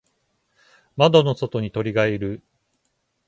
窓の外に鳥がいる。